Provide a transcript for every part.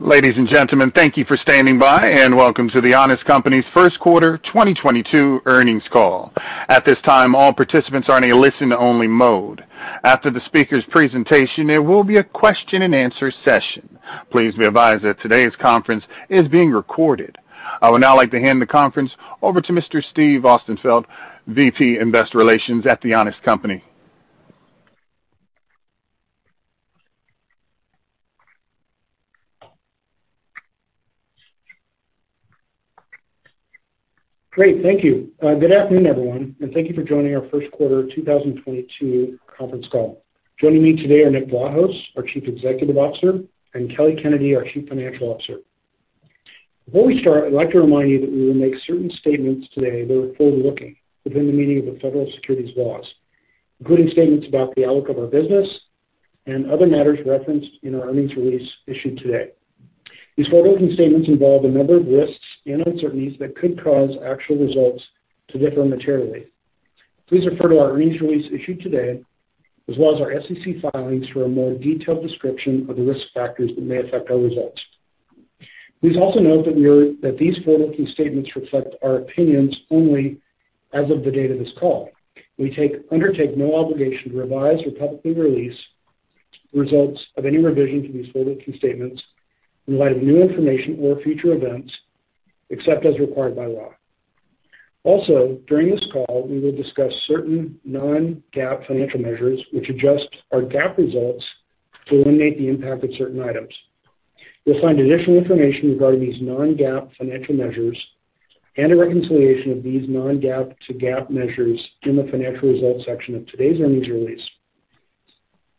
Ladies and gentlemen, thank you for standing by, and welcome to The Honest Company's first quarter 2022 earnings call. At this time, all participants are in a listen-only mode. After the speaker's presentation, there will be a question-and-answer session. Please be advised that today's conference is being recorded. I would now like to hand the conference over to Mr. Steve Austenfeld, VP, Investor Relations at The Honest Company. Great, thank you. Good afternoon, everyone, and thank you for joining our first quarter 2022 conference call. Joining me today are Nick Vlahos, our Chief Executive Officer, and Kelly Kennedy, our Chief Financial Officer. Before we start, I'd like to remind you that we will make certain statements today that are forward-looking within the meaning of the federal securities laws, including statements about the outlook of our business and other matters referenced in our earnings release issued today. These forward-looking statements involve a number of risks and uncertainties that could cause actual results to differ materially. Please refer to our earnings release issued today as well as our SEC filings for a more detailed description of the risk factors that may affect our results. Please also note that these forward-looking statements reflect our opinions only as of the date of this call. We undertake no obligation to revise or publicly release results of any revision to these forward-looking statements in light of new information or future events, except as required by law. Also, during this call, we will discuss certain non-GAAP financial measures which adjust our GAAP results to eliminate the impact of certain items. You'll find additional information regarding these non-GAAP financial measures and a reconciliation of these non-GAAP to GAAP measures in the financial results section of today's earnings release.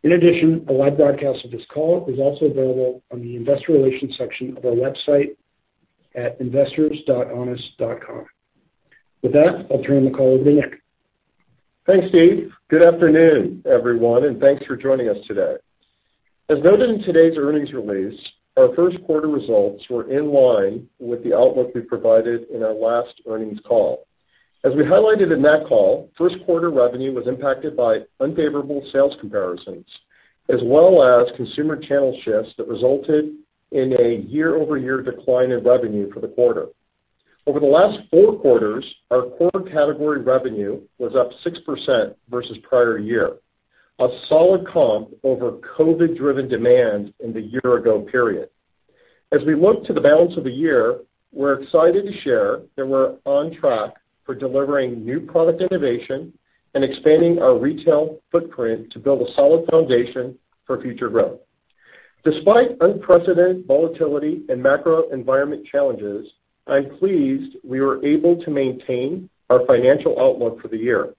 In addition, a live broadcast of this call is also available on the investor relations section of our website at investors.honest.com. With that, I'll turn the call over to Nick. Thanks, Steve. Good afternoon, everyone, and thanks for joining us today. As noted in today's earnings release, our first quarter results were in line with the outlook we provided in our last earnings call. As we highlighted in that call, first quarter revenue was impacted by unfavorable sales comparisons as well as consumer channel shifts that resulted in a year-over-year decline in revenue for the quarter. Over the last four quarters, our core category revenue was up 6% versus prior year, a solid comp over COVID-driven demand in the year ago period. As we look to the balance of the year, we're excited to share that we're on track for delivering new product innovation and expanding our retail footprint to build a solid foundation for future growth. Despite unprecedented volatility and macro environment challenges, I'm pleased we were able to maintain our financial outlook for the year.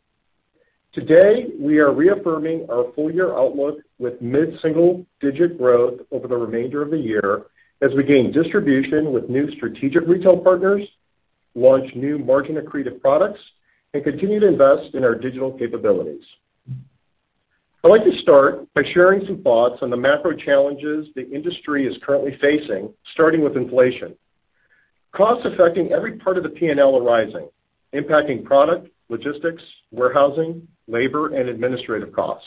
Today, we are reaffirming our full-year outlook with mid single-digit growth over the remainder of the year as we gain distribution with new strategic retail partners, launch new margin-accretive products, and continue to invest in our digital capabilities. I'd like to start by sharing some thoughts on the macro challenges the industry is currently facing, starting with inflation. Costs affecting every part of the P&L are rising, impacting product, logistics, warehousing, labor, and administrative costs.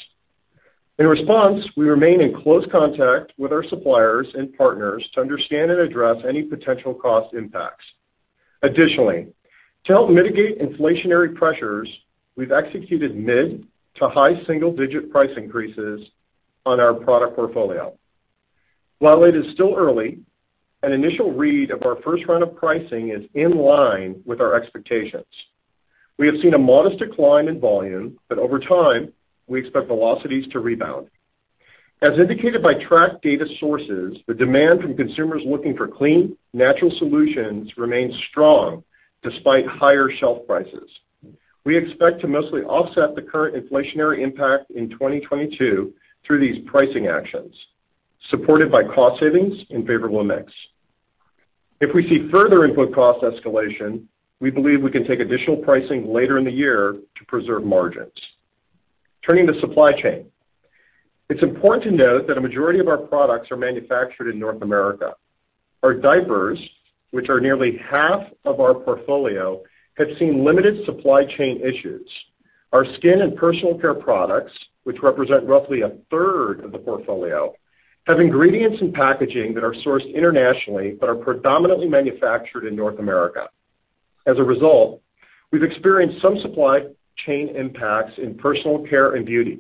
In response, we remain in close contact with our suppliers and partners to understand and address any potential cost impacts. Additionally, to help mitigate inflationary pressures, we've executed mid to high single-digit price increases on our product portfolio. While it is still early, an initial read of our first round of pricing is in line with our expectations. We have seen a modest decline in volume, but over time, we expect velocities to rebound. As indicated by track data sources, the demand from consumers looking for clean, natural solutions remains strong despite higher shelf prices. We expect to mostly offset the current inflationary impact in 2022 through these pricing actions, supported by cost savings and favorable mix. If we see further input cost escalation, we believe we can take additional pricing later in the year to preserve margins. Turning to supply chain. It's important to note that a majority of our products are manufactured in North America. Our diapers, which are nearly half of our portfolio, have seen limited supply chain issues. Our skin and personal care products, which represent roughly 1/3 of the portfolio, have ingredients and packaging that are sourced internationally but are predominantly manufactured in North America. As a result, we've experienced some supply chain impacts in personal care and beauty.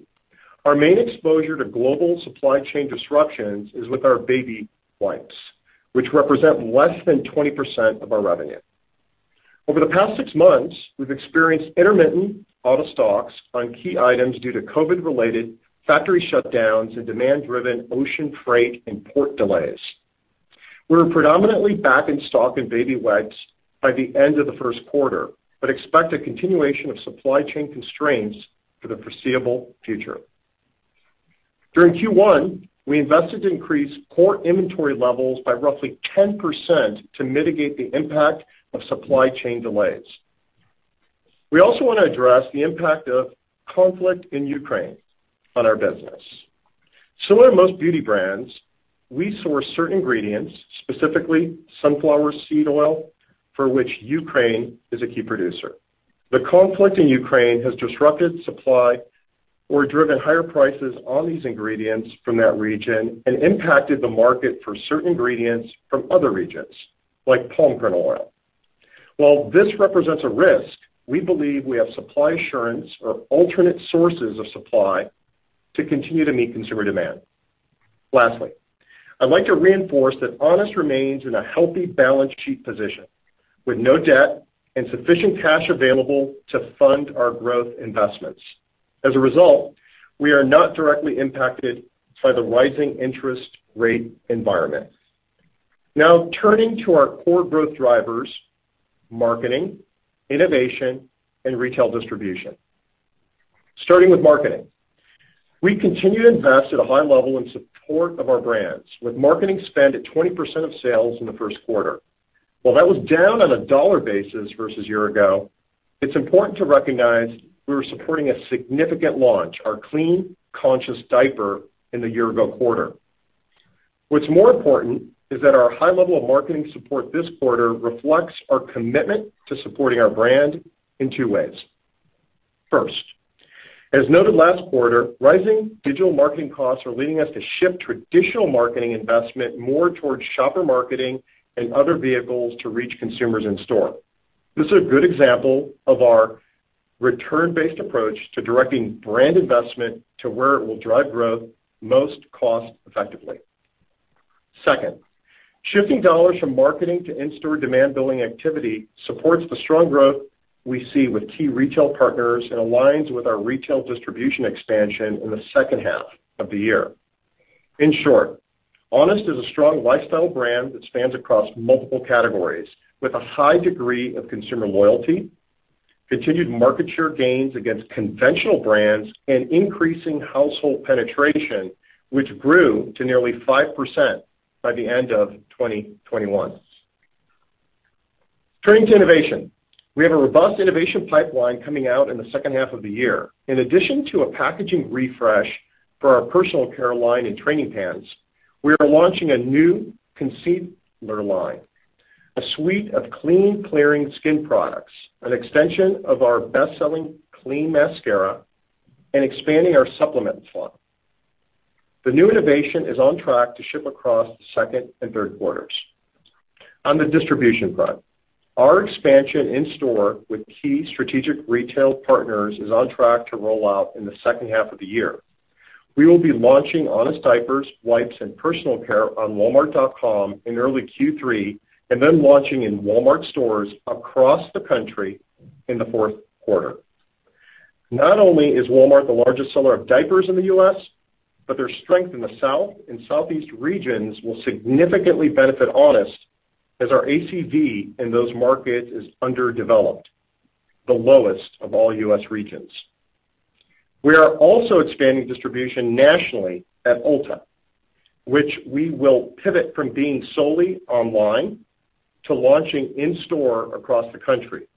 Our main exposure to global supply chain disruptions is with our baby wipes, which represent less than 20% of our revenue. Over the past six months, we've experienced intermittent out of stocks on key items due to COVID-related factory shutdowns and demand-driven ocean freight and port delays. We're predominantly back in stock in baby wipes by the end of the first quarter, but expect a continuation of supply chain constraints for the foreseeable future. During Q1, we invested to increase core inventory levels by roughly 10% to mitigate the impact of supply chain delays. We also wanna address the impact of conflict in Ukraine on our business. Similar to most beauty brands, we source certain ingredients, specifically sunflower seed oil, for which Ukraine is a key producer. The conflict in Ukraine has disrupted supply or driven higher prices on these ingredients from that region and impacted the market for certain ingredients from other regions, like palm kernel oil. While this represents a risk, we believe we have supply assurance or alternate sources of supply to continue to meet consumer demand. Lastly, I'd like to reinforce that Honest remains in a healthy balance sheet position with no debt and sufficient cash available to fund our growth investments. As a result, we are not directly impacted by the rising interest rate environment. Now, turning to our core growth drivers, marketing, innovation, and retail distribution. Starting with marketing. We continue to invest at a high level in support of our brands, with marketing spend at 20% of sales in the first quarter. While that was down on a dollar basis versus year ago, it's important to recognize we were supporting a significant launch, our Clean Conscious Diaper, in the year-ago quarter. What's more important is that our high level of marketing support this quarter reflects our commitment to supporting our brand in two ways. First, as noted last quarter, rising digital marketing costs are leading us to shift traditional marketing investment more towards shopper marketing and other vehicles to reach consumers in-store. This is a good example of our return-based approach to directing brand investment to where it will drive growth most cost-effectively. Second, shifting dollars from marketing to in-store demand building activity supports the strong growth we see with key retail partners and aligns with our retail distribution expansion in the second half of the year. In short, Honest is a strong lifestyle brand that spans across multiple categories with a high degree of consumer loyalty, continued market share gains against conventional brands, and increasing household penetration, which grew to nearly 5% by the end of 2021. Turning to innovation. We have a robust innovation pipeline coming out in the second half of the year. In addition to a packaging refresh for our personal care line and training pants, we are launching a new concealer line, a suite of clean clearing skin products, an extension of our best-selling clean mascara, and expanding our supplement line. The new innovation is on track to ship across the second and third quarters. On the distribution front, our expansion in store with key strategic retail partners is on track to roll out in the second half of the year. We will be launching Honest diapers, wipes, and personal care on walmart.com in early Q3 and then launching in Walmart stores across the country in the fourth quarter. Not only is Walmart the largest seller of diapers in the U.S., but their strength in the South and Southeast regions will significantly benefit Honest as our ACV in those markets is underdeveloped, the lowest of all U.S. regions. We are also expanding distribution nationally at Ulta, which we will pivot from being solely online to launching in store across the country.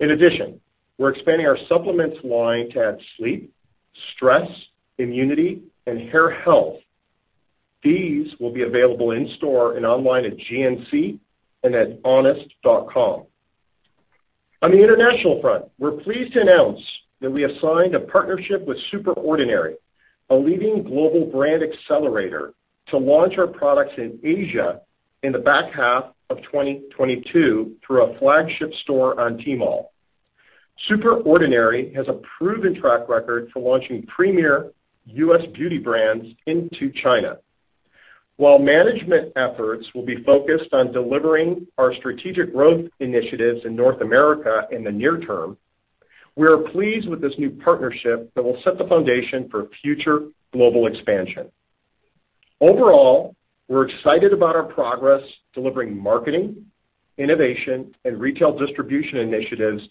In addition, we're expanding our supplements line to add sleep, stress, immunity, and hair health. These will be available in store and online at GNC and at honest.com. On the international front, we're pleased to announce that we have signed a partnership with SuperOrdinary, a leading global brand accelerator, to launch our products in Asia in the back half of 2022 through a flagship store on Tmall. SuperOrdinary has a proven track record for launching premier U.S. beauty brands into China. While management efforts will be focused on delivering our strategic growth initiatives in North America in the near term, we are pleased with this new partnership that will set the foundation for future global expansion. Overall, we're excited about our progress delivering marketing, innovation, and retail distribution initiatives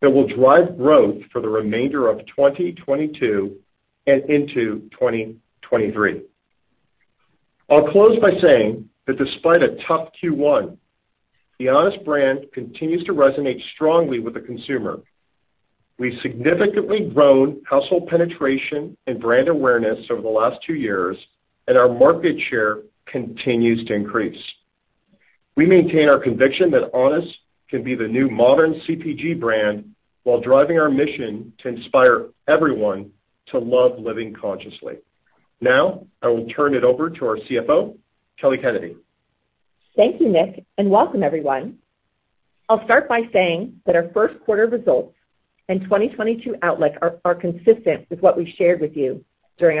that will drive growth for the remainder of 2022 and into 2023. I'll close by saying that despite a tough Q1, the Honest brand continues to resonate strongly with the consumer. We've significantly grown household penetration and brand awareness over the last two years, and our market share continues to increase. We maintain our conviction that Honest can be the new modern CPG brand while driving our mission to inspire everyone to love living consciously. Now, I will turn it over to our CFO, Kelly Kennedy. Thank you, Nick, and welcome everyone. I'll start by saying that our first quarter results and 2022 outlook are consistent with what we shared with you during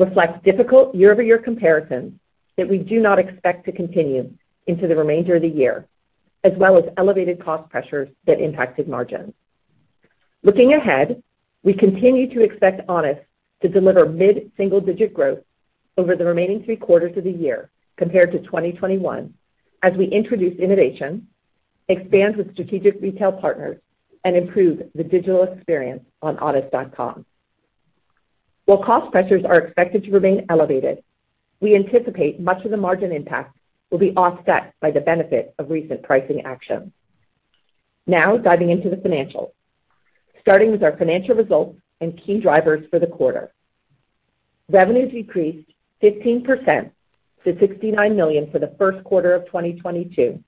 our last earnings call. Our Q1 results reflect difficult year-over-year comparisons that we do not expect to continue into the remainder of the year, as well as elevated cost pressures that impacted margins. Looking ahead, we continue to expect Honest to deliver mid single-digit growth over the remaining three quarters of the year compared to 2021 as we introduce innovation, expand with strategic retail partners, and improve the digital experience on honest.com. While cost pressures are expected to remain elevated, we anticipate much of the margin impact will be offset by the benefit of recent pricing actions. Now diving into the financials, starting with our financial results and key drivers for the quarter. Revenue decreased 15% to $69 million for the first quarter of 2022,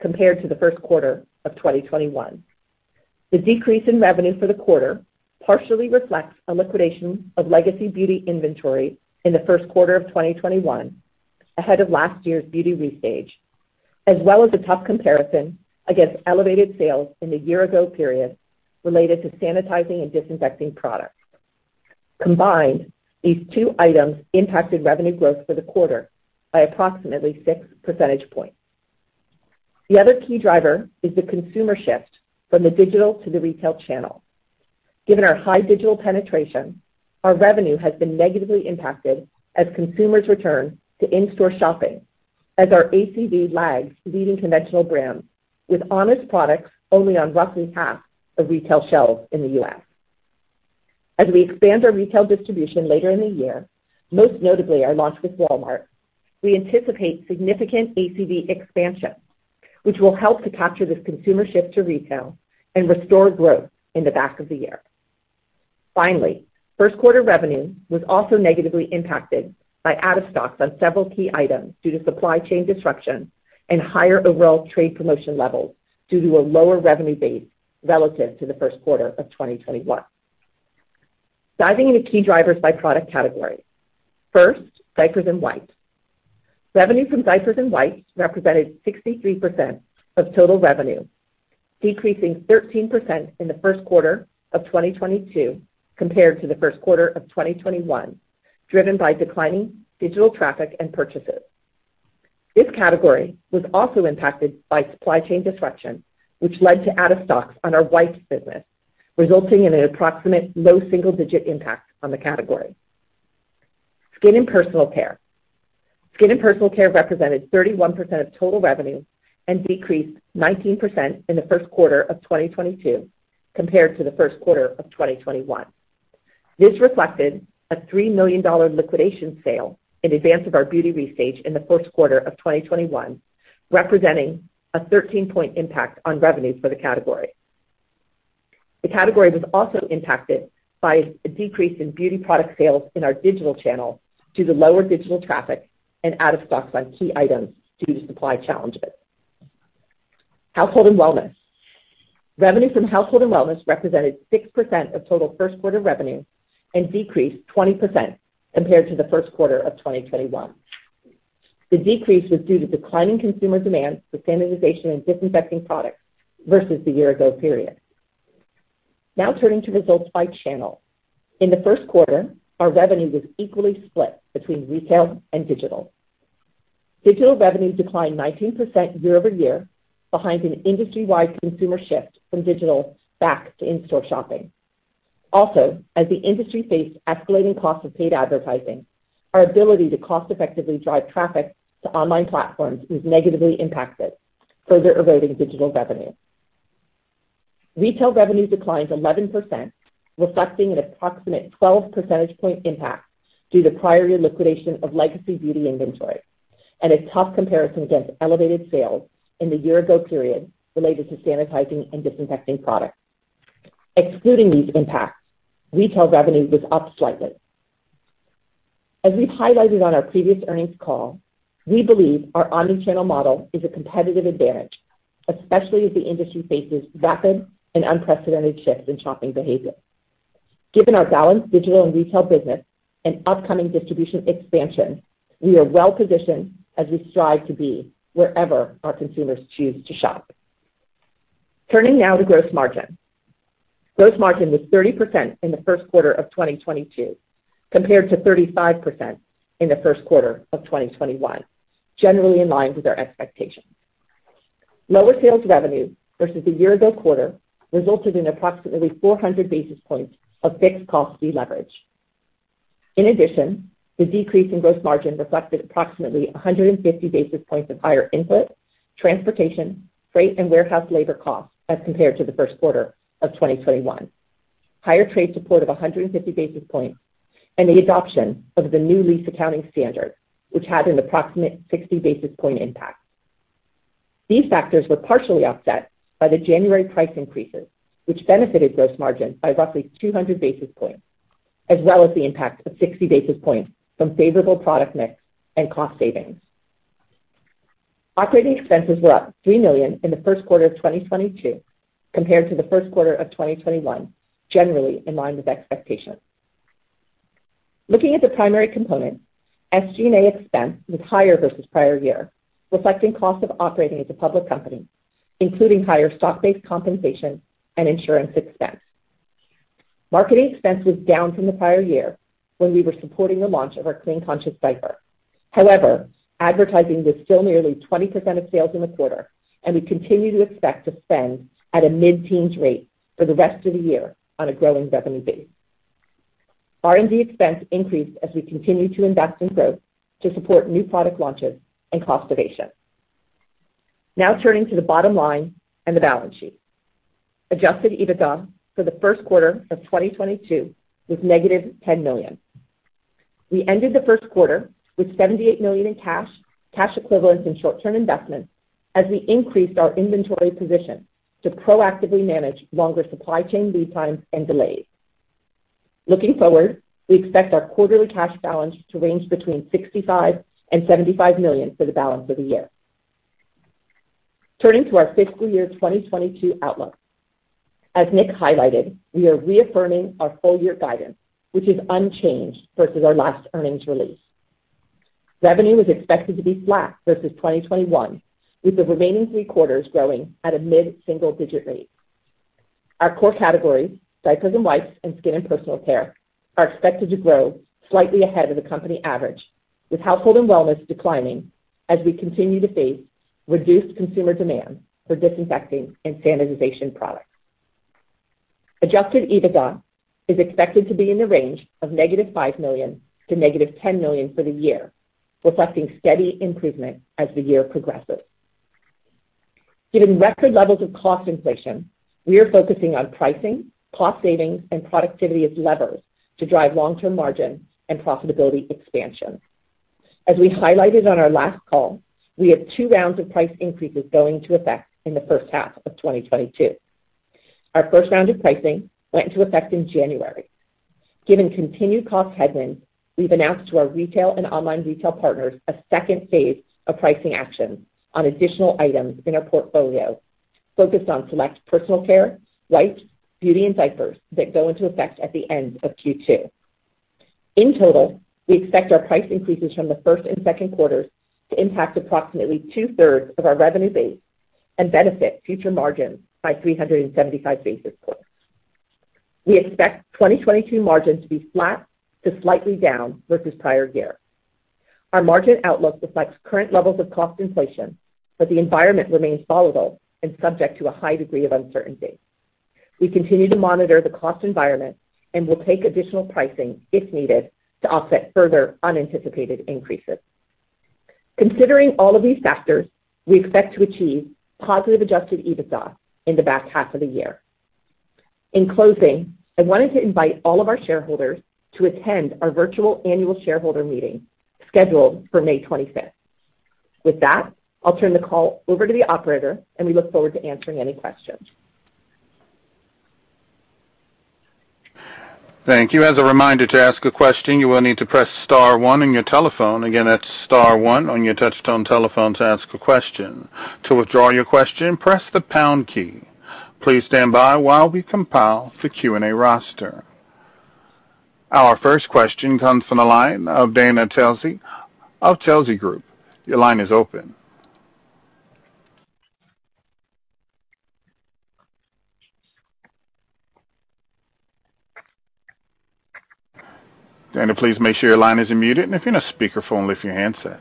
compared to the first quarter of 2021. The decrease in revenue for the quarter partially reflects a liquidation of legacy beauty inventory in the first quarter of 2021, ahead of last year's beauty restage, as well as a tough comparison against elevated sales in the year ago period related to sanitizing and disinfecting products. Combined, these two items impacted revenue growth for the quarter by approximately 6 percentage points. The other key driver is the consumer shift from the digital to the retail channel. Given our high digital penetration, our revenue has been negatively impacted as consumers return to in-store shopping, as our ACV lags leading conventional brands with Honest products only on roughly 1/2 of retail shelves in the U.S. As we expand our retail distribution later in the year, most notably our launch with Walmart, we anticipate significant ACV expansion, which will help to capture this consumer shift to retail and restore growth in the back of the year. Finally, first quarter revenue was also negatively impacted by out of stocks on several key items due to supply chain disruptions and higher overall trade promotion levels due to a lower revenue base relative to the first quarter of 2021. Diving into key drivers by product category. First, diapers and wipes. Revenue from diapers and wipes represented 63% of total revenue, decreasing 13% in the first quarter of 2022 compared to the first quarter of 2021, driven by declining digital traffic and purchases. This category was also impacted by supply chain disruption, which led to out of stocks on our wipes business, resulting in an approximate low single-digit impact on the category. Skin and personal care. Skin and personal care represented 31% of total revenue and decreased 19% in the first quarter of 2022 compared to the first quarter of 2021. This reflected a $3 million liquidation sale in advance of our beauty restage in the first quarter of 2021, representing a 13-point impact on revenue for the category. The category was also impacted by a decrease in beauty product sales in our digital channel due to lower digital traffic and out of stocks on key items due to supply challenges. Household and wellness. Revenue from household and wellness represented 6% of total first quarter revenue and decreased 20% compared to the first quarter of 2021. The decrease was due to declining consumer demand for sanitization and disinfecting products versus the year ago period. Now turning to results by channel. In the first quarter, our revenue was equally split between retail and digital. Digital revenue declined 19% year-over-year behind an industry-wide consumer shift from digital back to in-store shopping. Also, as the industry faced escalating costs of paid advertising, our ability to cost-effectively drive traffic to online platforms was negatively impacted, further eroding digital revenue. Retail revenue declined 11%, reflecting an approximate 12 percentage point impact due to prior year liquidation of legacy beauty inventory and a tough comparison against elevated sales in the year ago period related to sanitizing and disinfecting products. Excluding these impacts, retail revenue was up slightly. As we've highlighted on our previous earnings call, we believe our omni-channel model is a competitive advantage, especially as the industry faces rapid and unprecedented shifts in shopping behavior. Given our balanced digital and retail business and upcoming distribution expansion, we are well positioned as we strive to be wherever our consumers choose to shop. Turning now to gross margin. Gross margin was 30% in the first quarter of 2022, compared to 35% in the first quarter of 2021, generally in line with our expectations. Lower sales revenue versus the year ago quarter resulted in approximately 400 basis points of fixed cost deleverage. In addition, the decrease in gross margin reflected approximately 150 basis points of higher input, transportation, freight, and warehouse labor costs as compared to the first quarter of 2021, higher trade support of 150 basis points and the adoption of the new lease accounting standard, which had an approximate 60 basis point impact. These factors were partially offset by the January price increases, which benefited gross margin by roughly 200 basis points, as well as the impact of 60 basis points from favorable product mix and cost savings. Operating expenses were up $3 million in the first quarter of 2022 compared to the first quarter of 2021, generally in line with expectations. Looking at the primary component, SG&A expense was higher versus prior year, reflecting costs of operating as a public company, including higher stock-based compensation and insurance expense. Marketing expense was down from the prior year when we were supporting the launch of our Clean Conscious Diaper. However, advertising was still nearly 20% of sales in the quarter, and we continue to expect to spend at a mid-teens rate for the rest of the year on a growing revenue base. R&D expense increased as we continue to invest in growth to support new product launches and conservation. Now turning to the bottom line and the balance sheet. Adjusted EBITDA for the first quarter of 2022 was -$10 million. We ended the first quarter with $78 million in cash equivalents, and short-term investments. As we increased our inventory position to proactively manage longer supply chain lead times and delays. Looking forward, we expect our quarterly cash balance to range between $65 million-$75 million for the balance of the year. Turning to our fiscal year 2022 outlook. As Nick highlighted, we are reaffirming our full year guidance, which is unchanged versus our last earnings release. Revenue is expected to be flat versus 2021, with the remaining three quarters growing at a mid single-digit rate. Our core category, diapers and wipes, and skin and personal care, are expected to grow slightly ahead of the company average, with household and wellness declining as we continue to face reduced consumer demand for disinfecting and sanitization products. Adjusted EBITDA is expected to be in the range of -$5 million to -$10 million for the year, reflecting steady improvement as the year progresses. Given record levels of cost inflation, we are focusing on pricing, cost savings, and productivity as levers to drive long-term margin and profitability expansion. As we highlighted on our last call, we have two rounds of price increases going into effect in the first half of 2022. Our first round of pricing went into effect in January. Given continued cost headwinds, we've announced to our retail and online retail partners a second phase of pricing actions on additional items in our portfolio focused on select personal care, wipes, beauty, and diapers that go into effect at the end of Q2. In total, we expect our price increases from the first and second quarters to impact approximately 2/3 of our revenue base and benefit future margins by 375 basis points. We expect 2022 margins to be flat to slightly down versus prior year. Our margin outlook reflects current levels of cost inflation, but the environment remains volatile and subject to a high degree of uncertainty. We continue to monitor the cost environment and will take additional pricing if needed to offset further unanticipated increases. Considering all of these factors, we expect to achieve positive adjusted EBITDA in the back half of the year. In closing, I wanted to invite all of our shareholders to attend our virtual annual shareholder meeting scheduled for May 25th. With that, I'll turn the call over to the operator, and we look forward to answering any questions. Thank you. As a reminder, to ask a question, you will need to press star one on your telephone. Again, that's star one on your touch-tone telephone to ask a question. To withdraw your question, press the pound key. Please stand by while we compile the Q&A roster. Our first question comes from the line of Dana Telsey of Telsey Group. Your line is open. Dana, please make sure your line isn't muted, and if you're on speakerphone, lift your handset.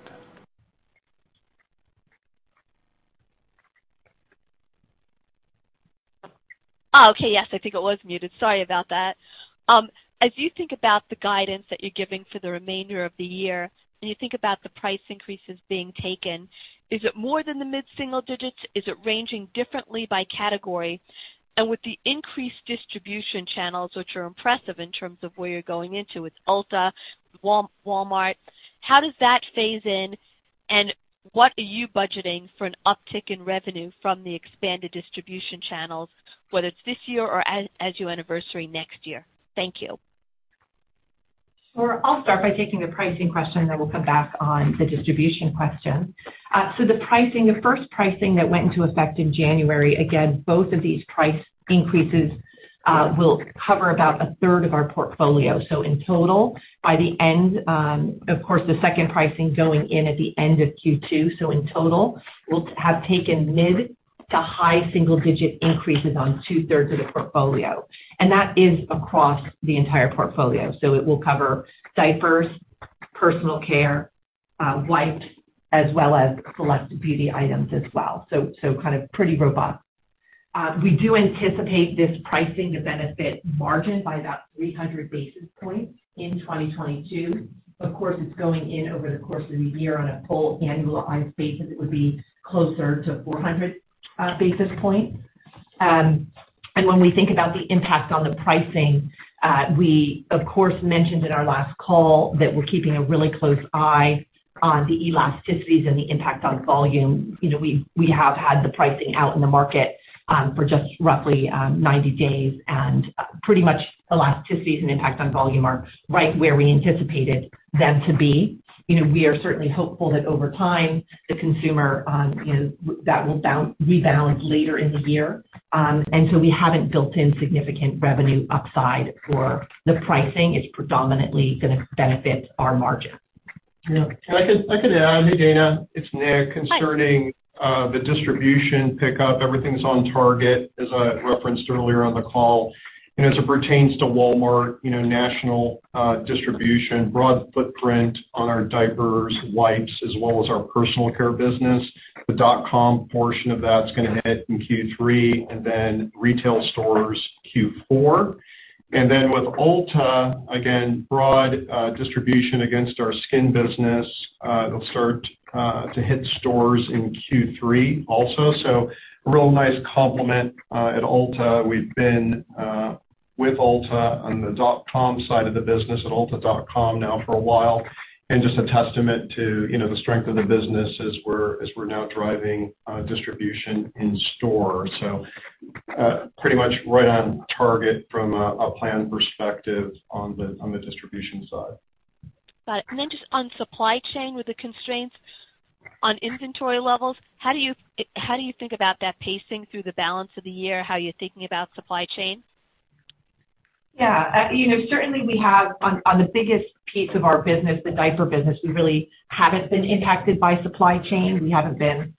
Oh, okay. Yes, I think it was muted. Sorry about that. As you think about the guidance that you're giving for the remainder of the year, and you think about the price increases being taken, is it more than the mid-single digits? Is it ranging differently by category? With the increased distribution channels, which are impressive in terms of where you're going into with Ulta, Walmart, how does that phase in, and what are you budgeting for an uptick in revenue from the expanded distribution channels, whether it's this year or as your anniversary next year? Thank you. Sure. I'll start by taking the pricing question, then we'll come back on the distribution question. The pricing, the first pricing that went into effect in January, again, both of these price increases, will cover about 1/3 of our portfolio. In total, by the end, of course, the second pricing going in at the end of Q2, in total, we'll have taken mid to high single-digit increases on 2/3 of the portfolio. That is across the entire portfolio. It will cover diapers, personal care, wipes, as well as select beauty items as well. Kind of pretty robust. We do anticipate this pricing to benefit margin by about 300 basis points in 2022. Of course, it's going in over the course of the year on a full annualized basis, it would be closer to 400 basis points. When we think about the impact on the pricing, we of course mentioned in our last call that we're keeping a really close eye on the elasticities and the impact on volume. You know, we have had the pricing out in the market for just roughly 90 days, and pretty much elasticities and impact on volume are right where we anticipated them to be. You know, we are certainly hopeful that over time, the consumer you know, that will rebalance later in the year. We haven't built in significant revenue upside for the pricing. It's predominantly gonna benefit our margin. Yeah. I could add. Hey, Dana, it's Nick. Hi. Concerning the distribution pickup, everything's on target, as I referenced earlier on the call. As it pertains to Walmart, you know, national distribution, broad footprint on our diapers, wipes, as well as our personal care business, the dot-com portion of that's gonna hit in Q3, and then retail stores, Q4. Then with Ulta, again, broad distribution against our skin business, it'll start to hit stores in Q3 also. A real nice complement at Ulta. We've been with Ulta on the .com side of the business at ulta.com now for a while, and just a testament to, you know, the strength of the business as we're now driving distribution in store. Pretty much right on target from a plan perspective on the distribution side. Got it. Just on supply chain with the constraints on inventory levels, how do you think about that pacing through the balance of the year, how you're thinking about supply chain? Yeah. You know, certainly we have on the biggest piece of our business, the diaper business, we really haven't been impacted by supply chain. We haven't been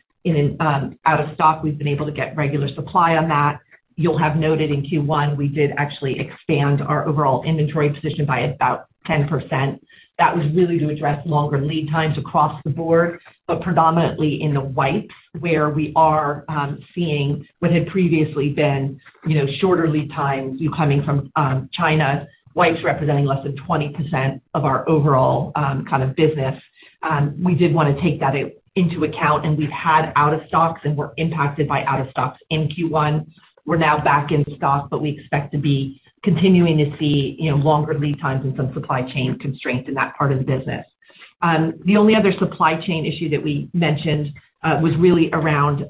out of stock. We've been able to get regular supply on that. You'll have noted in Q1, we did actually expand our overall inventory position by about 10%. That was really to address longer lead times across the board, but predominantly in the wipes where we are seeing what had previously been, you know, shorter lead times coming from China, wipes representing less than 20% of our overall kind of business. We did wanna take that into account, and we've had out of stocks and were impacted by out of stocks in Q1. We're now back in stock, but we expect to be continuing to see, you know, longer lead times and some supply chain constraints in that part of the business. The only other supply chain issue that we mentioned was really around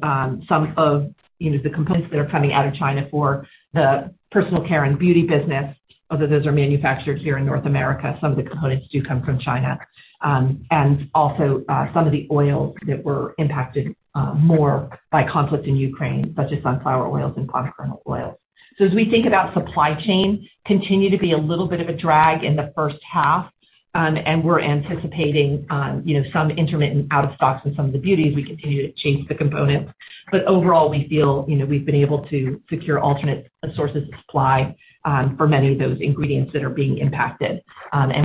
some of, you know, the components that are coming out of China for the personal care and beauty business. Although those are manufactured here in North America, some of the components do come from China. Some of the oils that were impacted more by conflict in Ukraine, such as sunflower oils and palm kernel oils. As we think about supply chain, continues to be a little bit of a drag in the first half. We're anticipating, you know, some intermittent out of stocks with some of the beauties. We continue to chase the components. Overall, we feel, you know, we've been able to secure alternate sources of supply for many of those ingredients that are being impacted.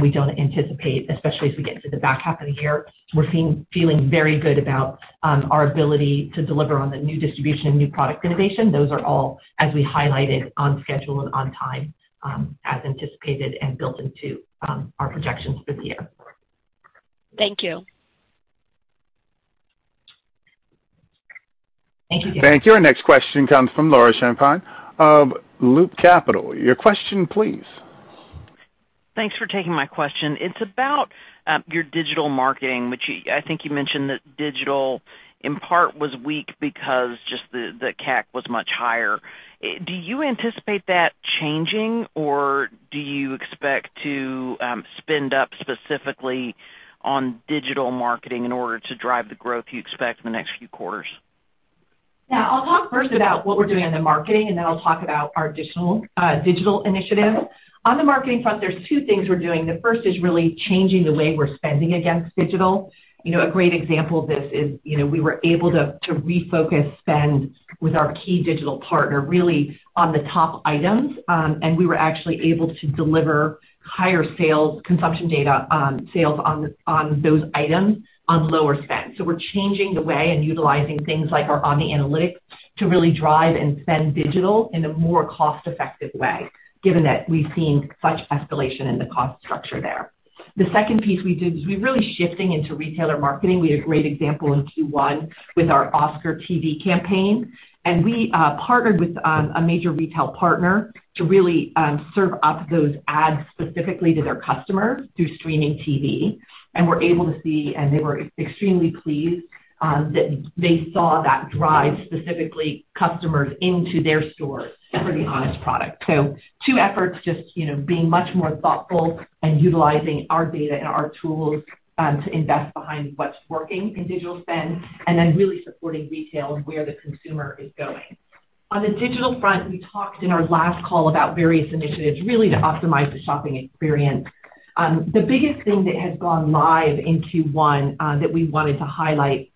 We don't anticipate, especially as we get to the back half of the year, we're feeling very good about our ability to deliver on the new distribution, new product innovation. Those are all as we highlighted on schedule and on time, as anticipated and built into our projections for the year. Thank you. Thank you. Thank you. Our next question comes from Laura Champine of Loop Capital. Your question, please. Thanks for taking my question. It's about your digital marketing, which I think you mentioned that digital in part was weak because just the CAC was much higher. Do you anticipate that changing or do you expect to spend up specifically on digital marketing in order to drive the growth you expect in the next few quarters? Yeah. I'll talk first about what we're doing on the marketing, and then I'll talk about our digital digital initiative. On the marketing front, there's two things we're doing. The first is really changing the way we're spending against digital. You know, a great example of this is, you know, we were able to to refocus spend with our key digital partner really on the top items. And we were actually able to deliver higher sales consumption data on sales on those items on lower spend. So we're changing the way and utilizing things like our Omni Analytics to really drive and spend digital in a more cost-effective way, given that we've seen such escalation in the cost structure there. The second piece we did is we're really shifting into retailer marketing. We had a great example in Q1 with our Oscars TV campaign, and we partnered with a major retail partner to really serve up those ads specifically to their customers through streaming TV and were able to see, and they were extremely pleased, that they saw that drive specifically customers into their stores for the Honest product. Two efforts just, you know, being much more thoughtful and utilizing our data and our tools, to invest behind what's working in digital spend and then really supporting retail where the consumer is going. On the digital front, we talked in our last call about various initiatives really to optimize the shopping experience. The biggest thing that has gone live in Q1, that we wanted to highlight,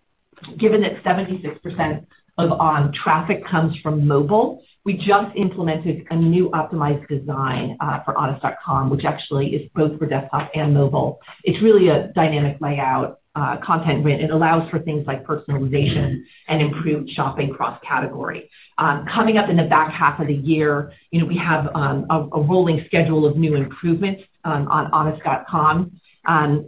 given that 76% of online traffic comes from mobile, we just implemented a new optimized design for honest.com, which actually is both for desktop and mobile. It's really a dynamic layout, content grid. It allows for things like personalization and improved shopping cross-category. Coming up in the back half of the year, you know, we have a rolling schedule of new improvements on honest.com.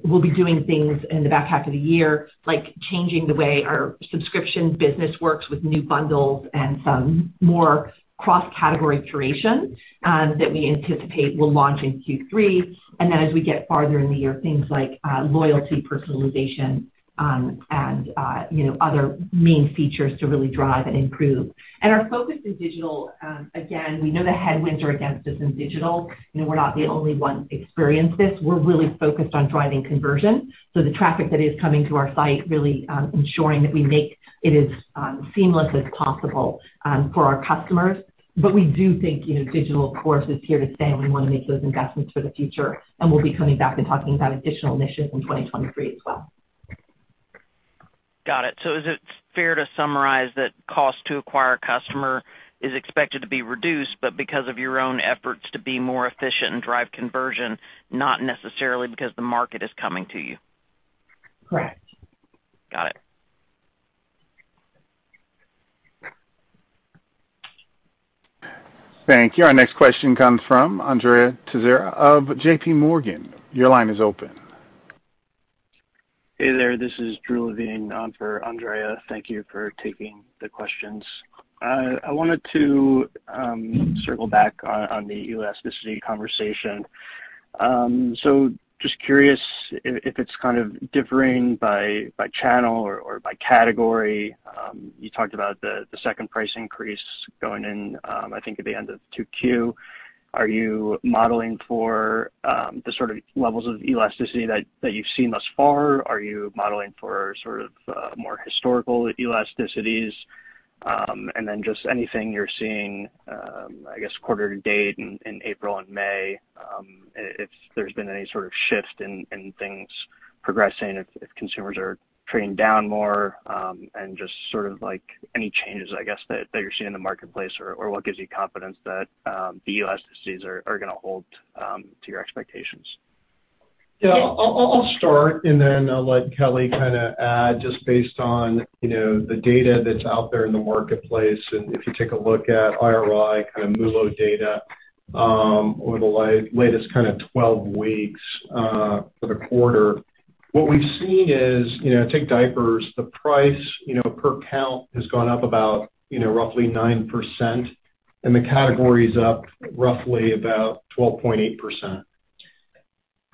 We'll be doing things in the back half of the year, like changing the way our subscription business works with new bundles and some more cross-category curation that we anticipate will launch in Q3. Then as we get farther in the year, things like loyalty, personalization, and you know, other main features to really drive and improve. Our focus in digital, again, we know the headwinds are against us in digital. You know, we're not the only one experiencing this. We're really focused on driving conversion. The traffic that is coming to our site really ensuring that we make it as seamless as possible for our customers. We do think, you know, digital of course is here to stay, and we wanna make those investments for the future. We'll be coming back and talking about additional initiatives in 2023 as well. Got it. Is it fair to summarize that cost to acquire a customer is expected to be reduced, but because of your own efforts to be more efficient and drive conversion, not necessarily because the market is coming to you? Correct. Got it. Thank you. Our next question comes from Andrea Teixeira of JPMorgan. Your line is open. Hey there, this is Drew Levine for Andrea. Thank you for taking the questions. I wanted to circle back on the elasticity conversation. So just curious if it's kind of differing by channel or by category. You talked about the second price increase going in, I think at the end of 2Q. Are you modeling for the sort of levels of elasticity that you've seen thus far? Are you modeling for sort of more historical elasticities? Just anything you're seeing, I guess quarter to date in April and May, if there's been any sort of shift in things progressing, if consumers are trading down more, and just sort of like any changes, I guess, that you're seeing in the marketplace or what gives you confidence that the elasticities are gonna hold to your expectations. Yeah. I'll start, and then I'll let Kelly kinda add just based on, you know, the data that's out there in the marketplace. If you take a look at IRI, kind of MULO data, over the latest kind of 12 weeks, for the quarter, what we've seen is, you know, take diapers, the price, you know, per count has gone up about, you know, roughly 9%, and the category is up roughly about 12.8%.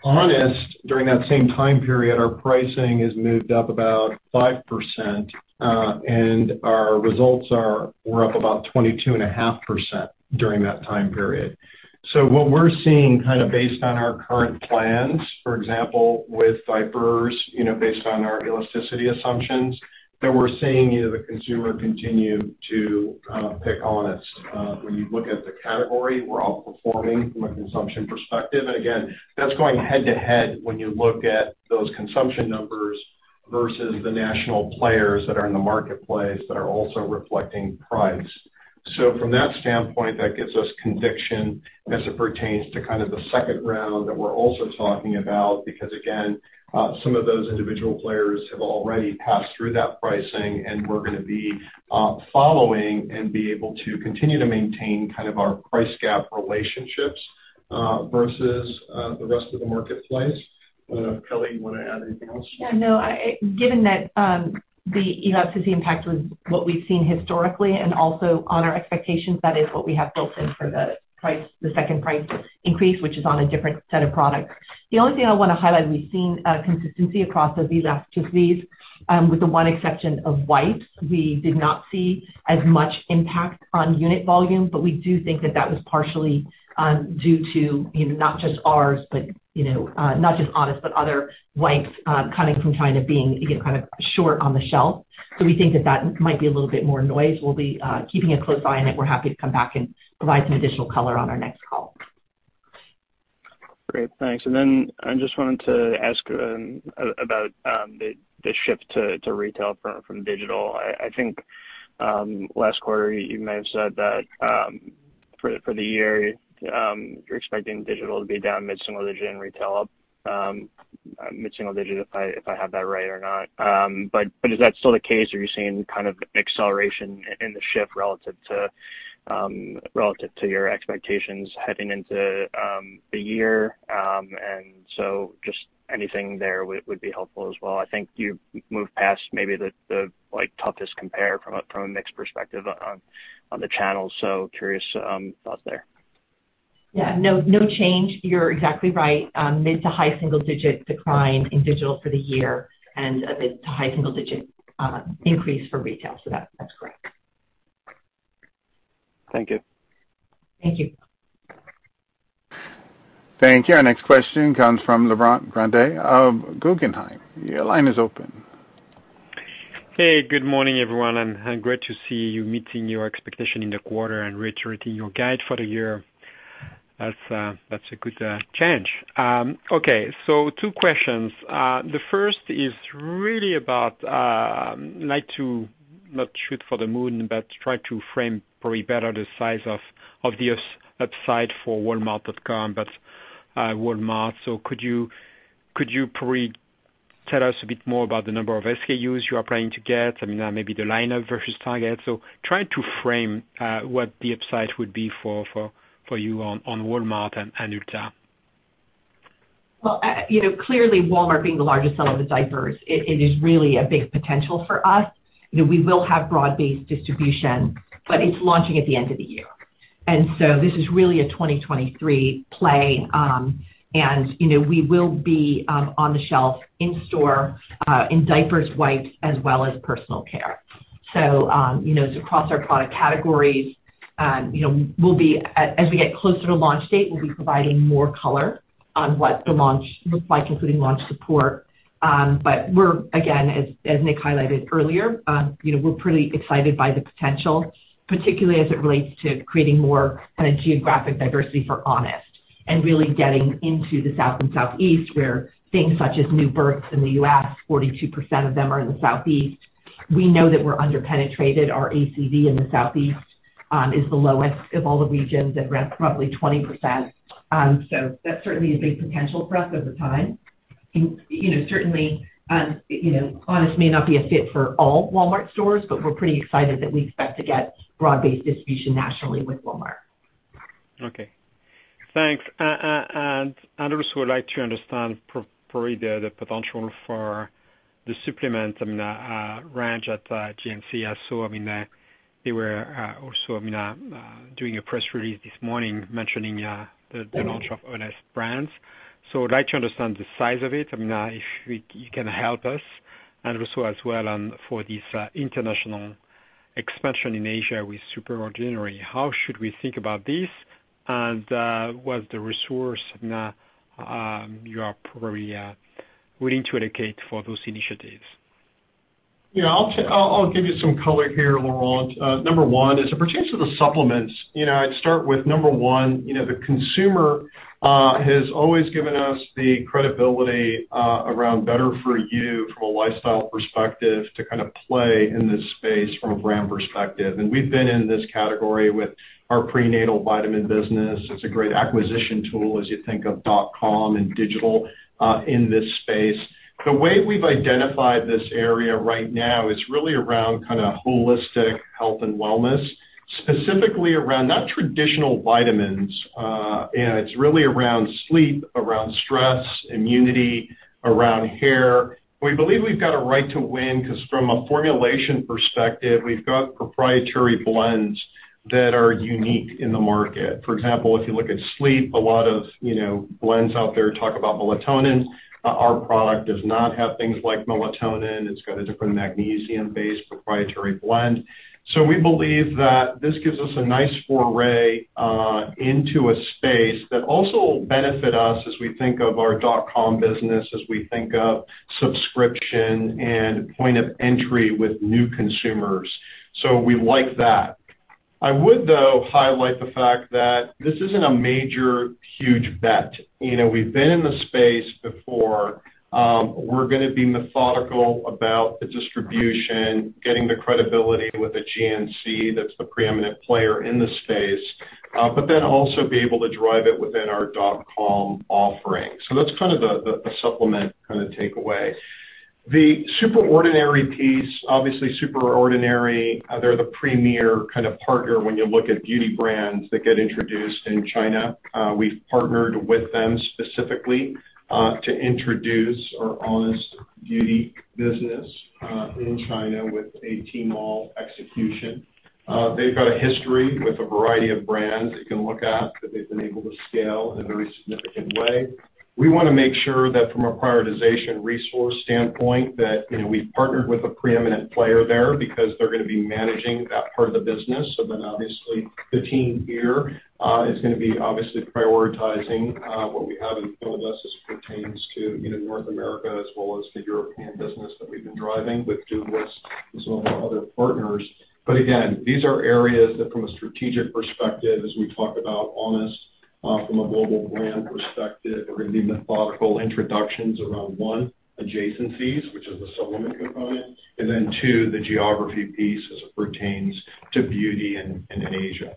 Honest, during that same time period, our pricing has moved up about 5%, and our results are we're up about 22.5% during that time period. What we're seeing kinda based on our current plans, for example, with diapers, you know, based on our elasticity assumptions, that we're seeing, you know, the consumer continue to pick Honest. When you look at the category, we're outperforming from a consumption perspective. Again, that's going head to head when you look at those consumption numbers versus the national players that are in the marketplace that are also reflecting price. From that standpoint, that gives us conviction as it pertains to kind of the second round that we're also talking about, because again, some of those individual players have already passed through that pricing, and we're gonna be following and be able to continue to maintain kind of our price gap relationships versus the rest of the marketplace. Kelly, you wanna add anything else? Yeah. No, given that, the elasticity impact was what we've seen historically and also on our expectations, that is what we have built in for the price, the second price increase, which is on a different set of products. The only thing I wanna highlight, we've seen consistency across those elasticities, with the one exception of wipes. We did not see as much impact on unit volume, but we do think that that was partially due to, you know, not just ours, but, you know, not just Honest, but other wipes coming from kind of being, again, kind of short on the shelf. We think that that might be a little bit more noise. We'll be keeping a close eye on it. We're happy to come back and provide some additional color on our next call. Great. Thanks. I just wanted to ask about the shift to retail from digital. I think last quarter you may have said that for the year you're expecting digital to be down mid single-digit and retail up mid single-digit, if I have that right or not. Is that still the case? Are you seeing kind of acceleration in the shift relative to your expectations heading into the year? Just anything there would be helpful as well. I think you've moved past maybe the like toughest compare from a mix perspective on the channels. Curious thoughts there. Yeah. No change. You're exactly right. Mid to high single-digit decline in digital for the year and a mid to high single-digit increase for retail. That's correct. Thank you. Thank you. Thank you. Our next question comes from Laurent Grandet of Guggenheim. Your line is open. Hey, good morning, everyone, and great to see you meeting your expectation in the quarter and reiterating your guide for the year. That's a good change. Okay, two questions. The first is really about, like, to not shoot for the moon, but try to frame probably better the size of obvious upside for Walmart.com, but Walmart. Could you probably tell us a bit more about the number of SKUs you are planning to get? I mean, maybe the lineup versus Target. Try to frame what the upside would be for you on Walmart and Ulta. Well, you know, clearly, Walmart being the largest seller of the diapers, it is really a big potential for us. You know, we will have broad-based distribution, but it's launching at the end of the year. This is really a 2023 play. You know, we will be on the shelf in store in diapers, wipes, as well as personal care. You know, it's across our product categories. You know, we'll be as we get closer to launch date, we'll be providing more color on what the launch looks like, including launch support. We're, again, as Nick highlighted earlier, you know, we're pretty excited by the potential, particularly as it relates to creating more kinda geographic diversity for Honest and really getting into the South and Southeast, where things such as new births in the U.S., 42% of them are in the Southeast. We know that we're under-penetrated. Our ACV in the Southeast is the lowest of all the regions at roughly 20%. So that's certainly a big potential for us over time. You know, certainly, you know, Honest may not be a fit for all Walmart stores, but we're pretty excited that we expect to get broad-based distribution nationally with Walmart. Okay. Thanks. I also would like to understand probably the potential for the supplement and range at GNC. I saw, I mean, they were also, I mean, doing a press release this morning mentioning the launch of Honest brands. So I'd like to understand the size of it, I mean, if you can help us. Also, for this international expansion in Asia with SuperOrdinary, how should we think about this? What's the resource you are probably willing to allocate for those initiatives? Yeah. I'll give you some color here, Laurent. Number one, as it pertains to the supplements, you know, I'd start with number one, you know, the consumer has always given us the credibility around better for you from a lifestyle perspective to kind of play in this space from a brand perspective. We've been in this category with our prenatal vitamin business. It's a great acquisition tool as you think of dot-com and digital in this space. The way we've identified this area right now is really around kinda holistic health and wellness, specifically around not traditional vitamins, and it's really around sleep, around stress, immunity, around hair. We believe we've got a right to win, 'cause from a formulation perspective, we've got proprietary blends that are unique in the market. For example, if you look at sleep, a lot of, you know, blends out there talk about melatonin. Our product does not have things like melatonin. It's got a different magnesium-based proprietary blend. So we believe that this gives us a nice foray into a space that also will benefit us as we think of our dot-com business, as we think of subscription and point of entry with new consumers. So we like that. I would, though, highlight the fact that this isn't a major huge bet. You know, we've been in the space before. We're gonna be methodical about the distribution, getting the credibility with the GNC, that's the preeminent player in the space, but then also be able to drive it within our dot-com offering. So that's kind of the supplement kinda takeaway. The SuperOrdinary piece, obviously, SuperOrdinary, they're the premier kind of partner when you look at beauty brands that get introduced in China. We've partnered with them specifically to introduce our Honest beauty business in China with a Tmall execution. They've got a history with a variety of brands you can look at that they've been able to scale in a very significant way. We wanna make sure that from a prioritization resource standpoint that, you know, we've partnered with a preeminent player there because they're gonna be managing that part of the business. Obviously the team here is gonna be obviously prioritizing what we have in front of us as it pertains to, you know, North America as well as the European business that we've been driving with Douglas and some of our other partners. Again, these are areas that from a strategic perspective, as we talk about Honest, from a global brand perspective, are gonna be methodical introductions around, one, adjacencies, which is the supplement component, and then two, the geography piece as it pertains to beauty in Asia.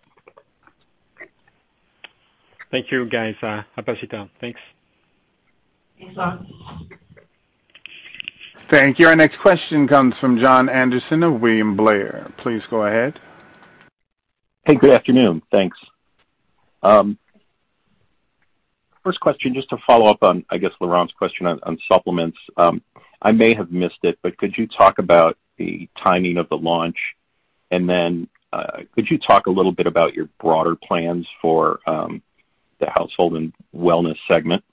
Thank you, guys. Thank you. Our next question comes from Jon Andersen of William Blair. Please go ahead. Hey, good afternoon. Thanks. First question, just to follow up on, I guess, Laurent's question on supplements. I may have missed it, but could you talk about the timing of the launch? Could you talk a little bit about your broader plans for the household and wellness segment?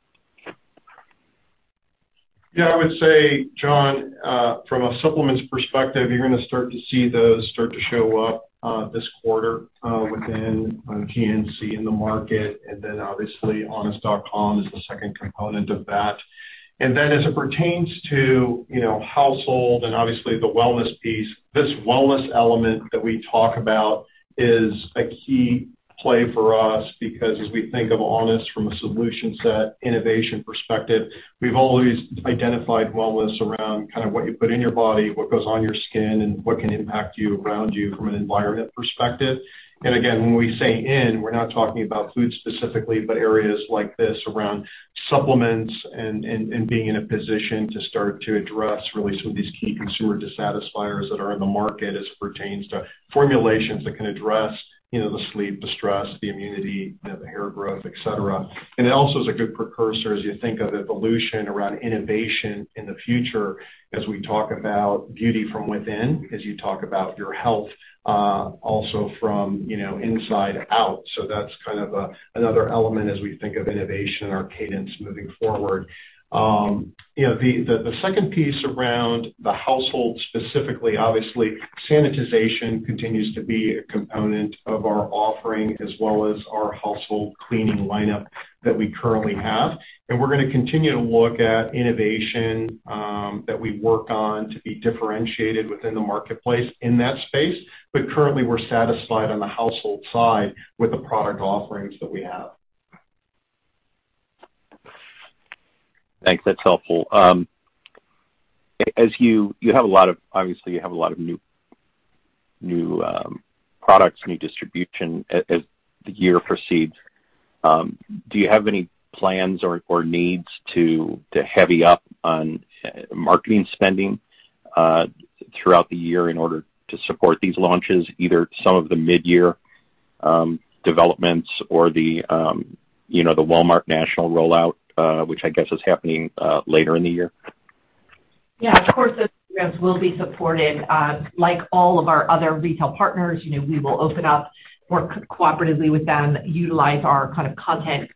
Yeah. I would say, Jon, from a supplements perspective, you're gonna start to see those start to show up, this quarter, within GNC in the market, and then obviously honest.com is the second component of that. Then as it pertains to, you know, household and obviously the wellness piece, this wellness element that we talk about is a key play for us because as we think of Honest from a solution set, innovation perspective, we've always identified wellness around kind of what you put in your body, what goes on your skin, and what can impact you around you from an environment perspective. Again, when we say in, we're not talking about food specifically, but areas like this around supplements and being in a position to start to address really some of these key consumer dissatisfiers that are in the market as it pertains to formulations that can address, you know, the sleep, the stress, the immunity, you know, the hair growth, et cetera. It also is a good precursor as you think of evolution around innovation in the future as we talk about beauty from within, as you talk about your health, also from, you know, inside out. That's kind of another element as we think of innovation and our cadence moving forward. You know, the second piece around the household specifically, obviously sanitization continues to be a component of our offering as well as our household cleaning lineup that we currently have. We're gonna continue to look at innovation that we work on to be differentiated within the marketplace in that space. Currently we're satisfied on the household side with the product offerings that we have. Thanks. That's helpful. Obviously, you have a lot of new products, new distribution as the year proceeds. Do you have any plans or needs to heavy up on marketing spending throughout the year in order to support these launches, either some of the mid-year developments or the, you know, the Walmart national rollout, which I guess is happening later in the year? Yeah, of course, those programs will be supported. Like all of our other retail partners, you know, we will open up more cooperatively with them, utilize our kind of content,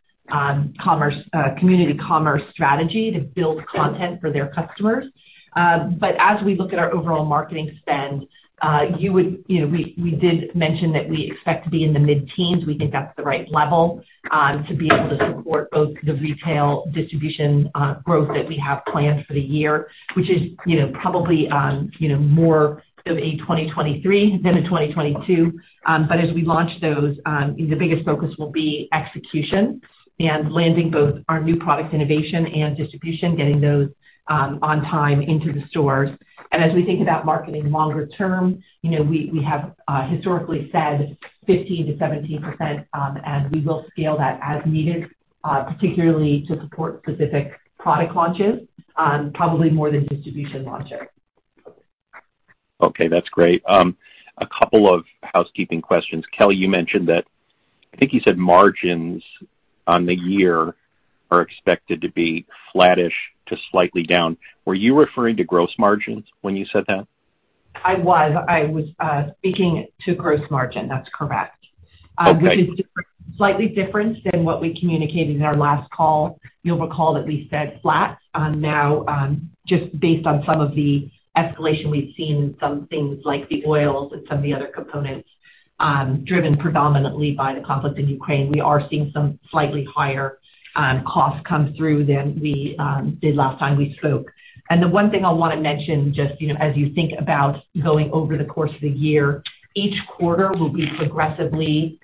commerce, community commerce strategy to build content for their customers. As we look at our overall marketing spend, you would... You know, we did mention that we expect to be in the mid-teens. We think that's the right level, to be able to support both the retail distribution, growth that we have planned for the year, which is, you know, probably, you know, more of a 2023 than a 2022. As we launch those, the biggest focus will be execution and landing both our new product innovation and distribution, getting those, on time into the stores. As we think about marketing longer term, you know, we have historically said 15%-17%, and we will scale that as needed, particularly to support specific product launches, probably more than distribution launches. Okay, that's great. A couple of housekeeping questions. Kelly, you mentioned that, I think you said margins on the year are expected to be flattish to slightly down. Were you referring to gross margins when you said that? I was speaking to gross margin. That's correct. Okay. Which is different, slightly different than what we communicated in our last call. You'll recall that we said flat. Now, just based on some of the escalation we've seen, some things like the oils and some of the other components, driven predominantly by the conflict in Ukraine, we are seeing some slightly higher costs come through than we did last time we spoke. The one thing I wanna mention, just, you know, as you think about going over the course of the year, each quarter will be progressively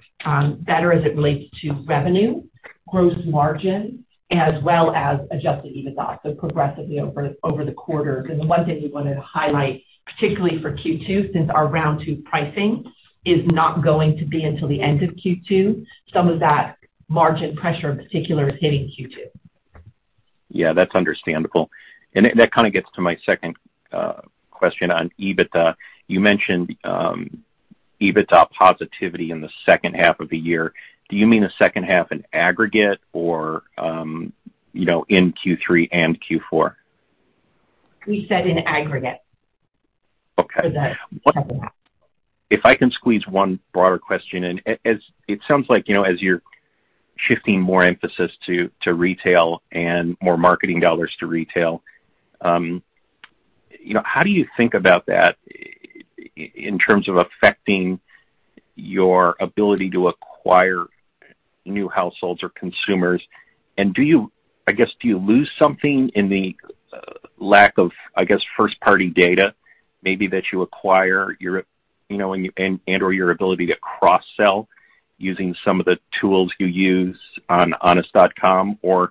better as it relates to revenue, gross margin, as well as adjusted EBITDA, so progressively over the quarter. Because the one thing we wanted to highlight, particularly for Q2, since our round two pricing is not going to be until the end of Q2, some of that margin pressure in particular is hitting Q2. Yeah, that's understandable. That kind of gets to my second question on EBITDA. You mentioned EBITDA positivity in the second half of the year. Do you mean the second half in aggregate or, you know, in Q3 and Q4? We said in aggregate. Okay For the second half. If I can squeeze one broader question in. It sounds like, you know, as you're shifting more emphasis to retail and more marketing dollars to retail, you know, how do you think about that in terms of affecting your ability to acquire new households or consumers? And do you... I guess, do you lose something in the lack of, I guess, first-party data, maybe that you acquire your, you know, and/or your ability to cross-sell using some of the tools you use on honest.com? Or,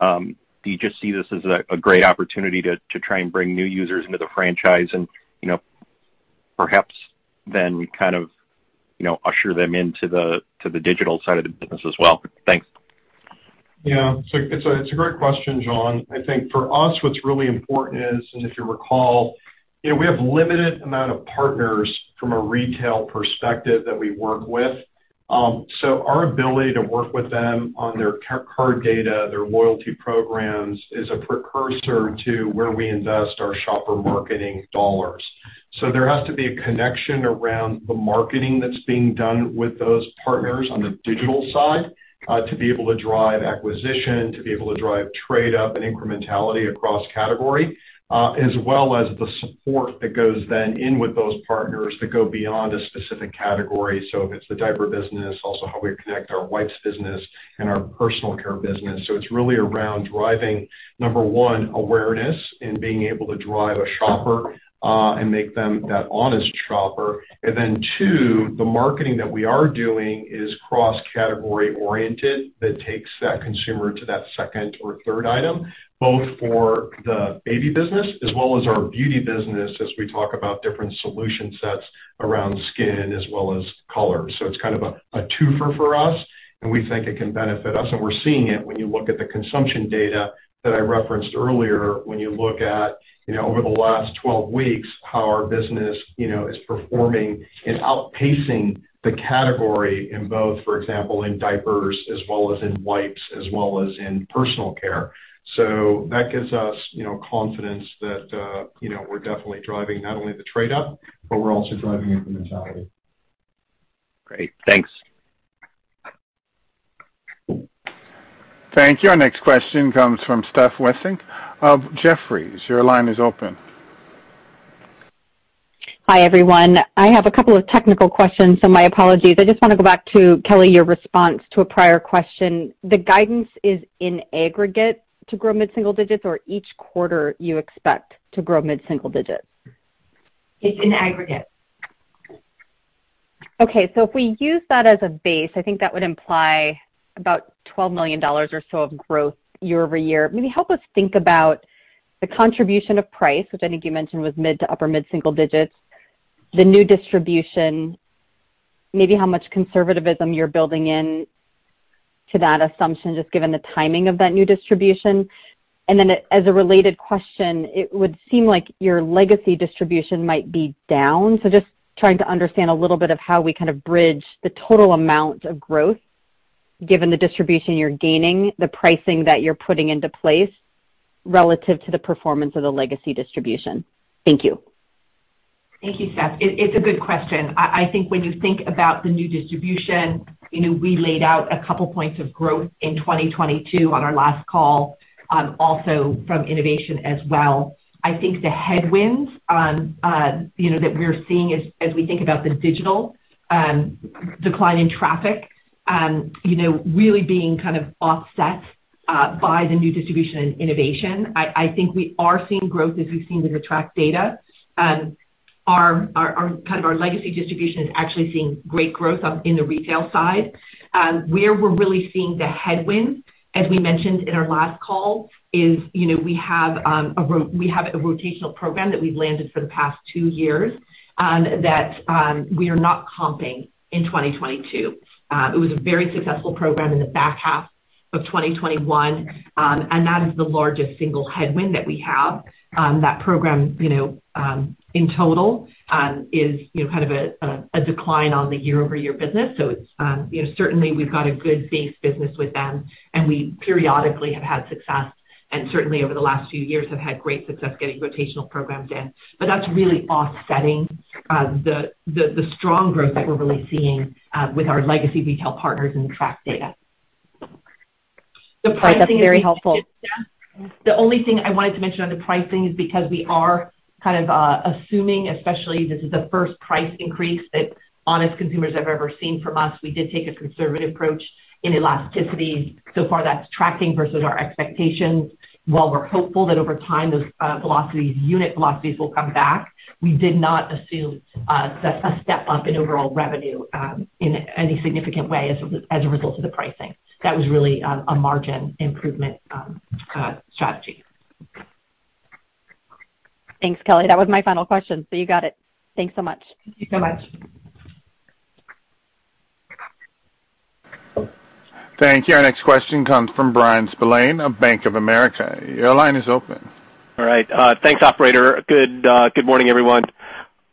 do you just see this as a great opportunity to try and bring new users into the franchise and, you know, perhaps then kind of, you know, usher them into the digital side of the business as well? Thanks. Yeah. It's a great question, Jon. I think for us, what's really important is, and if you recall, you know, we have limited amount of partners from a retail perspective that we work with. Our ability to work with them on their card data, their loyalty programs, is a precursor to where we invest our shopper marketing dollars. There has to be a connection around the marketing that's being done with those partners on the digital side, to be able to drive acquisition, to be able to drive trade up and incrementality across category, as well as the support that goes then in with those partners that go beyond a specific category. If it's the diaper business, also how we connect our wipes business and our personal care business. It's really around driving, number one, awareness and being able to drive a shopper, and make them that Honest shopper. Then two, the marketing that we are doing is cross-category oriented that takes that consumer to that second or third item, both for the baby business as well as our beauty business as we talk about different solution sets around skin as well as color. It's kind of a twofer for us, and we think it can benefit us. We're seeing it when you look at the consumption data that I referenced earlier, when you look at, you know, over the last 12 weeks, how our business, you know, is performing and outpacing the category in both, for example, in diapers as well as in wipes, as well as in personal care. That gives us, you know, confidence that, you know, we're definitely driving not only the trade-up, but we're also driving incrementality. Great. Thanks. Thank you. Our next question comes from Steph Wissink of Jefferies. Your line is open. Hi, everyone. I have a couple of technical questions, so my apologies. I just wanna go back to, Kelly, your response to a prior question. The guidance is in aggregate to grow mid single-digits or each quarter you expect to grow mid single-digits? It's in aggregate. Okay. If we use that as a base, I think that would imply about $12 million or so of growth year-over-year. Maybe help us think about the contribution of price, which I think you mentioned was mid-to-upper mid single-digits. The new distribution, maybe how much conservativism you're building in to that assumption, just given the timing of that new distribution. As a related question, it would seem like your legacy distribution might be down. Just trying to understand a little bit of how we kind of bridge the total amount of growth given the distribution you're gaining, the pricing that you're putting into place relative to the performance of the legacy distribution. Thank you. Thank you, Steph. It's a good question. I think when you think about the new distribution, you know, we laid out a couple points of growth in 2022 on our last call, also from innovation as well. I think the headwinds, you know, that we're seeing as we think about the digital decline in traffic, you know, really being kind of offset by the new distribution and innovation. I think we are seeing growth as we've seen with the track data. Our legacy distribution is actually seeing great growth in the retail side. Where we're really seeing the headwind, as we mentioned in our last call, is, you know, we have a rotational program that we've landed for the past two years, that we are not comping in 2022. It was a very successful program in the back half of 2021, and that is the largest single headwind that we have. That program, you know, in total, is, you know, kind of a decline on the year-over-year business. It's, you know, certainly we've got a good base business with them, and we periodically have had success, and certainly over the last few years have had great success getting rotational programs in. That's really offsetting the strong growth that we're really seeing with our legacy retail partners in the track data. The pricing. That's very helpful. The only thing I wanted to mention on the pricing is because we are kind of assuming, especially this is the first price increase that Honest consumers have ever seen from us, we did take a conservative approach in elasticity. So far, that's tracking versus our expectations. While we're hopeful that over time, those velocities, unit velocities will come back, we did not assume a step up in overall revenue in any significant way as a result of the pricing. That was really a margin improvement strategy. Thanks, Kelly. That was my final question, so you got it. Thanks so much. Thank you so much. Thank you. Our next question comes from Bryan Spillane of Bank of America. Your line is open. All right. Thanks, operator. Good morning, everyone,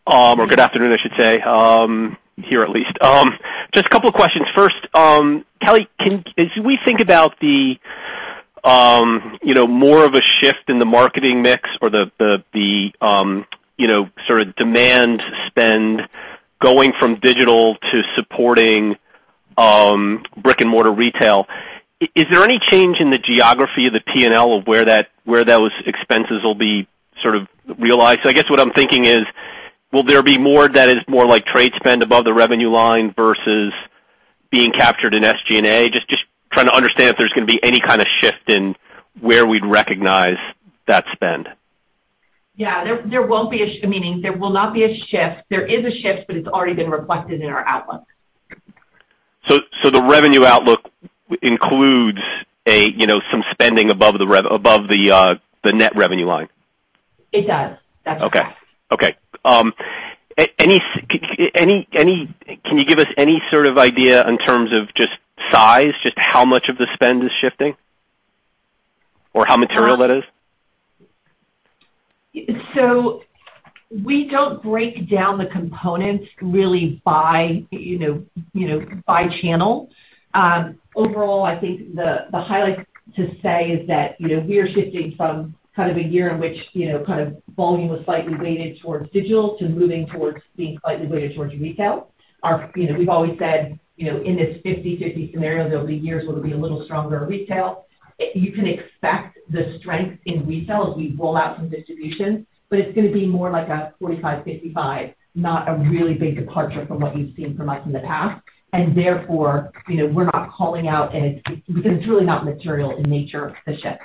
or good afternoon, I should say, here at least. Just a couple of questions. First, Kelly, can as we think about the, you know, more of a shift in the marketing mix or the, you know, sort of ad spend going from digital to supporting brick and mortar retail, is there any change in the geography of the P&L of where that, where those expenses will be sort of realized? So I guess what I'm thinking is, will there be more that is more like trade spend above the revenue line versus being captured in SG&A? Just trying to understand if there's gonna be any kind of shift in where we'd recognize that spend. Yeah. There won't be a shift. Meaning, there will not be a shift. There is a shift, but it's already been reflected in our outlook. The revenue outlook includes a, you know, some spending above the net revenue line? It does. That's correct. Can you give us any sort of idea in terms of just size, just how much of the spend is shifting or how material that is? We don't break down the components really by, you know, by channel. Overall, I think the highlight to say is that, you know, we are shifting from kind of a year in which, you know, kind of volume was slightly weighted towards digital to moving towards being slightly weighted towards retail. You know, we've always said, you know, in this 50/50 scenario, there'll be years where there'll be a little stronger retail. You can expect the strength in retail as we roll out some distribution, but it's gonna be more like a 45/55, not a really big departure from what you've seen from us in the past. Therefore, you know, we're not calling out any because it's really not material in nature of the shift.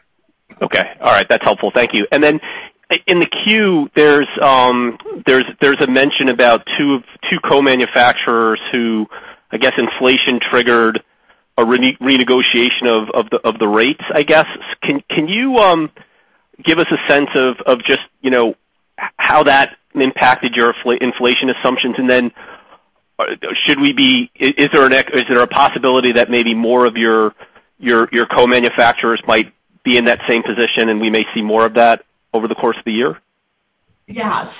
Okay. All right. That's helpful. Thank you. In the queue, there's a mention about two co-manufacturers who, I guess, inflation triggered a re-renegotiation of the rates, I guess. Can you give us a sense of just, you know, how that impacted your inflation assumptions? Is there a possibility that maybe more of your co-manufacturers might be in that same position and we may see more of that over the course of the year? Yeah.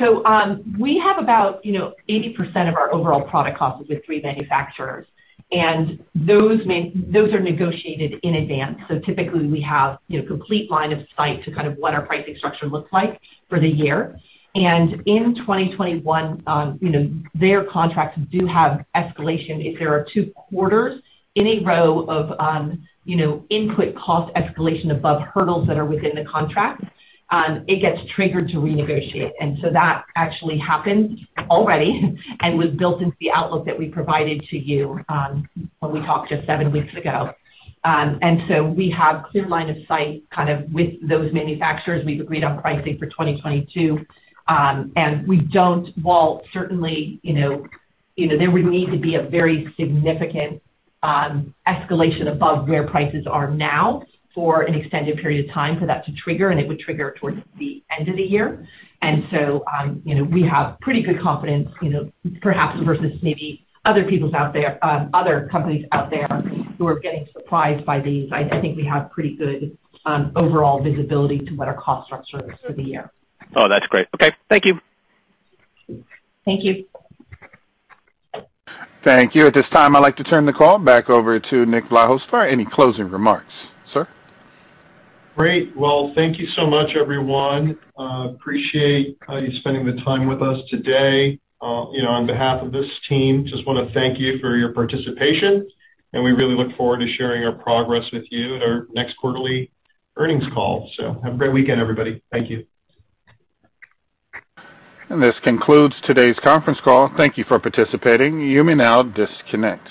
We have about, you know, 80% of our overall product costs with the three manufacturers, and those are negotiated in advance. Typically, we have, you know, complete line of sight to kind of what our pricing structure looks like for the year. In 2021, you know, their contracts do have escalation. If there are two quarters in a row of, you know, input cost escalation above hurdles that are within the contract, it gets triggered to renegotiate. That actually happened already and was built into the outlook that we provided to you, when we talked just seven weeks ago. We have clear line of sight, kind of with those manufacturers. We've agreed on pricing for 2022. Certainly, you know, there would need to be a very significant escalation above where prices are now for an extended period of time for that to trigger, and it would trigger towards the end of the year. You know, we have pretty good confidence, you know, perhaps versus maybe other companies out there who are getting surprised by these. I think we have pretty good overall visibility to what our cost structure is for the year. Oh, that's great. Okay, thank you. Thank you. Thank you. At this time, I'd like to turn the call back over to Nick Vlahos for any closing remarks. Sir? Great. Well, thank you so much, everyone. Appreciate you spending the time with us today. You know, on behalf of this team, just wanna thank you for your participation, and we really look forward to sharing our progress with you in our next quarterly earnings call. Have a great weekend, everybody. Thank you. This concludes today's conference call. Thank you for participating. You may now disconnect.